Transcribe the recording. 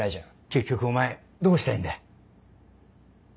結局お前どうしたいんだ？